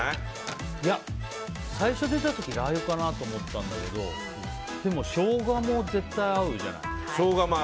最初出た時ラー油かなと思ったんだけどショウガも絶対合うじゃない。